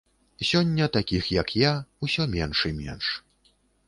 Сёння такіх, як я, усё менш і менш.